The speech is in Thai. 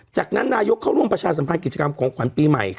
จากนั้นนายกเข้าร่วมประชาสัมพันธ์กิจกรรมของขวัญปีใหม่